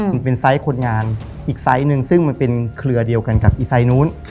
มันเป็นไซส์คนงานอีกไซส์หนึ่งซึ่งมันเป็นเครือเดียวกันกับอีกไซส์นู้น